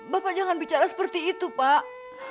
bapak jangan bicara seperti itu pak